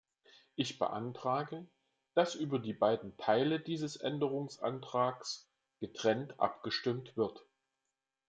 Ich beantrage, dass über die beiden Teile dieses Änderungsantrags getrennt abgestimmt wird.